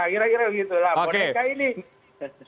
kira kira gitu lah